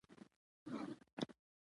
زده کړه د نجونو روغتیا ته ګټه رسوي.